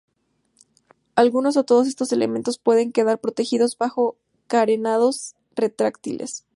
Algunos o todos estos elementos pueden quedar protegidos bajo carenados retráctiles.